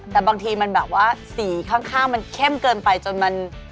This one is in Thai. แต่บางทีมันแบบว่าสีข้างมันเข้มเกินไปจนมัน